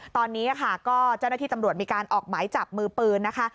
ตอนนี้ค่ะก็เจ้าหน้าที่ตำรวจมีการออกหมายจับมือปืนนะคะ